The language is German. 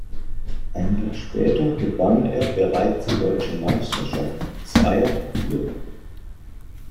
Ein Jahr später gewann er bereits die deutsche Meisterschaft im Zweier- und Vierer-Bob.